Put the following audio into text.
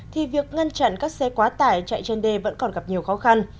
thì việc ngăn chặn các xe quá tải chạy trên đê vẫn còn gặp nhiều khó khăn